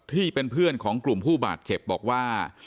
ที่เป็นเพื่อนของกลุ่มผู้บาดเจ็บบอกว่า